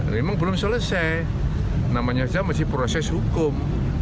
memang belum selesai namanya saja masih proses hukum